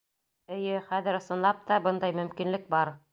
Эйе, хәҙер, ысынлап та, бындай мөмкинлек бар.